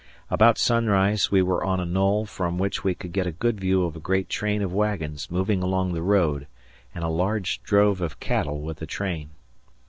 About sunrise we were on a knoll from which we could get a good view of a great train of wagons moving along the road and a large drove of cattle with the train.